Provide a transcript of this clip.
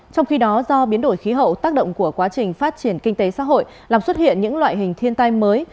trong khi đó do biến đổi khí hậu tác động của quá trình phát triển kinh tế xã hội làm xuất hiện những loại hình thiên tai mới